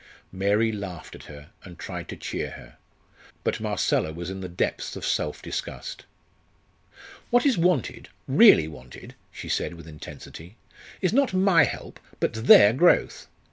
Mary laughed at her, and tried to cheer her. But Marcella was in the depths of self disgust. "What is wanted, really wanted," she said with intensity, "is not my help, but their growth.